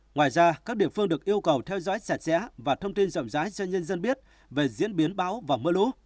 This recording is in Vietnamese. ngoài ra các địa phương được yêu cầu theo dõi sạch sẽ và thông tin rộng rãi cho nhân dân biết về diễn biến báo và mưa lũ